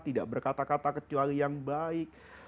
tidak berkata kata kecuali yang baik